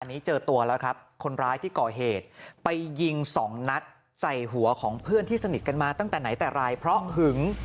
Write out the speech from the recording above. อันนี้เจอตัวแล้วครับคนร้ายที่ก่อเหตุไปยิงสองนัดใส่หัวของเพื่อนที่สนิทกันมาตั้งแต่ไหนแต่ไรเพราะหึง